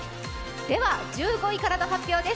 では１５位からの発表です。